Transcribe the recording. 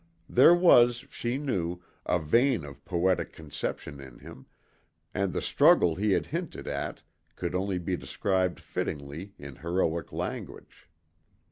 There was, she knew, a vein of poetic conception in him, and the struggle he had hinted at could only be described fittingly in heroic language.